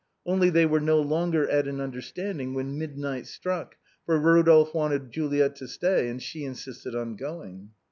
Only they were no longer at an understanding when midnight struck, for Eodolphe wanted Juliet to stay, and she insisted on going.